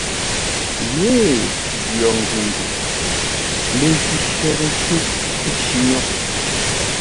Yêee yo ngʉ ngʉ, ləjwi shərə ncʉ́ʼ nci nyôghʼ.